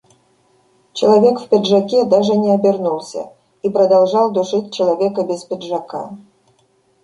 Человек в пиджаке даже не обернулся и продолжал душить человека без пиджака.